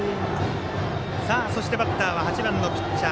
そしてバッターは８番のピッチャー